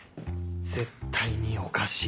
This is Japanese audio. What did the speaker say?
絶対におかしい